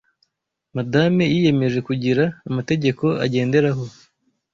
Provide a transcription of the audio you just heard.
Madame yiyemeje kugira amategeko agenderaho